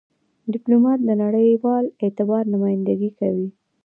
ډيپلومات د نړېوال اعتبار نمایندګي کوي.